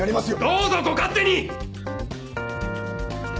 どうぞご勝手に！